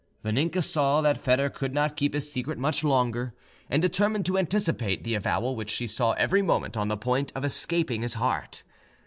Vaninka saw that Foedor could not keep his secret much longer, and determined to anticipate the avowal which she saw every moment on the point of escaping his heart.